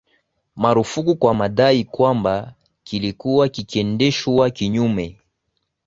marufuku kwa madai kwamba kilikuwa kikiendeshwa kinyume